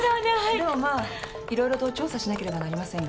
でもまあいろいろと調査しなければなりませんが。